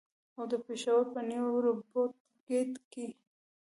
او د پېښور په نیو رمپوره ګېټ کې.